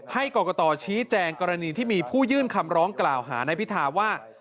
ให้กรกตชี้แจงกรณีที่มีผู้ยื่นคำร้องกล่าวหานายพิธาว่า